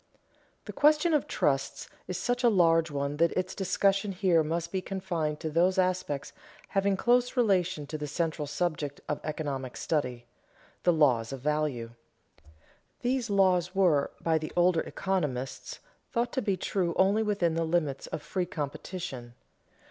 _ The question of trusts is such a large one that its discussion here must be confined to those aspects having close relation to the central subject of economic study, the laws of value. These laws were by the older economists thought to be true only within the limits of free competition.